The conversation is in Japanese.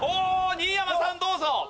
新山さんどうぞ！